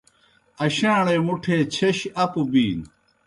اشاݨے مُٹھے چھیش اپوْ بِینوْ۔